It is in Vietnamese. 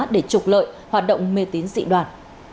để trục lợi hoạt động mê tín dị đoàn